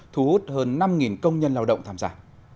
thu hút hơn năm công nhân lao động tham gia